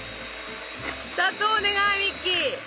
砂糖をお願いミッキー。